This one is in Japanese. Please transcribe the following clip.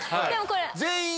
全員。